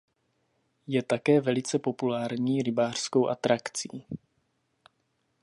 Je také velice populární rybářskou atrakcí.